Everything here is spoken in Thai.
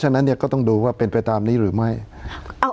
ฉะนั้นเนี่ยก็ต้องดูว่าเป็นไปตามนี้หรือไม่